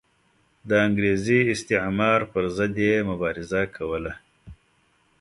د انګریزي استعمار پر ضد یې مبارزه کوله.